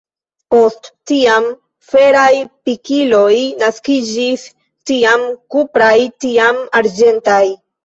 Post tiam, feraj pikiloj naskiĝis, tiam kupraj, tiam arĝentaj.